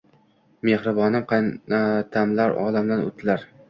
Mehribonim qaynotamlar olamdan oʻtdilar.